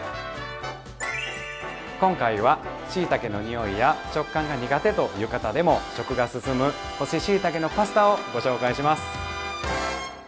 今回はしいたけの匂いや食感が苦手という方でも食が進む干ししいたけのパスタをご紹介します。